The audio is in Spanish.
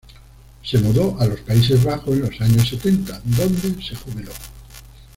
Se mudó a los Países Bajos en los años setenta, donde se jubiló.